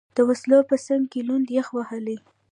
د وسلو په څنګ کې، لوند، یخ وهلی.